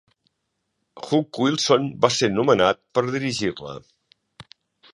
Hugh Wilson va ser nomenat per dirigir-la.